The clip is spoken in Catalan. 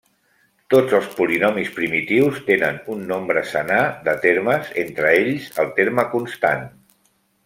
Tots els polinomis primitius tenen un nombre senar de termes, entre ells, el terme constant.